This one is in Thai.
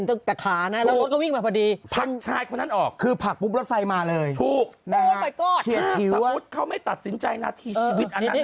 นาทีชีวิตอันนั้นนะครับ